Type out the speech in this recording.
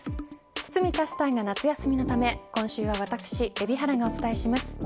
堤キャスターが夏休みのため今週は私、海老原がお伝えします。